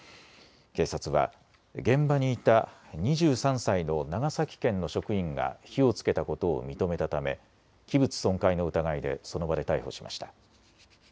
警察は現場にいた２３歳の長崎県の職員が火をつけたことを認めたため、器物損壊の疑いでその場で逮捕しました。